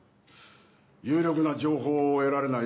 有力な情報を得られない